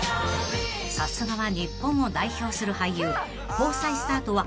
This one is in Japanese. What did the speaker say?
［さすがは日本を代表する俳優］